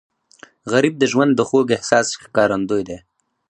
غریب د ژوند د خوږ احساس ښکارندوی دی